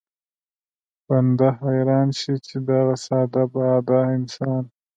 بنده حيران شي چې دغه ساده باده انسان